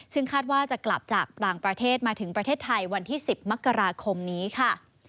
ซึ่งคาดว่าจะกลับจากต่างประเทศมาถึงประเทศไทยวันที่๑๐มกราคมนี้ค่ะ